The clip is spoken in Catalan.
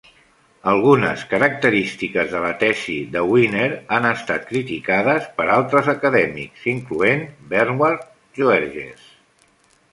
Algunes característiques de la tesi de Winner han estat criticades per altres acadèmics, incloent Bernward Joerges.